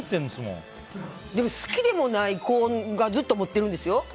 でも好きでもない子がずっと持っているんですよ。